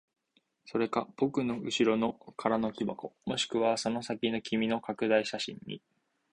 それか僕の後ろの空の木箱、もしくはその先の君の拡大写真に。